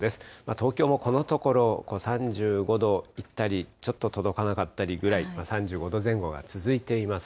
東京もこのところ、３５度いったり、ちょっと届かなかったりぐらい、３５度前後が続いています。